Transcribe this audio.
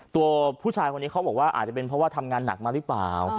ตัวผู้ชายคนนี้เขาบอกว่าอาจจะเป็นเพราะว่าทำงานหนักมาหรือเปล่า